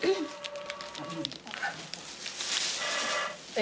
え？